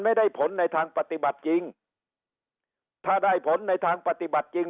ไม่ได้ผลในทางปฏิบัติจริงถ้าได้ผลในทางปฏิบัติจริง